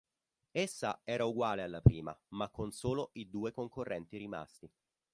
Essa era uguale alla prima, ma con solo i due concorrenti rimasti.